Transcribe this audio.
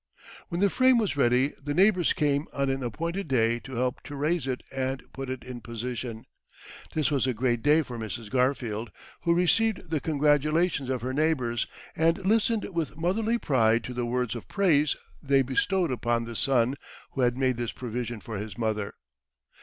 When the frame was ready, the neighbours came on an appointed day to help to raise it and put it in position. This was a great day for Mrs. Garfield, who received the congratulations of her neighbours, and listened with motherly pride to the words of praise they bestowed upon the son who had made this provision for his mother.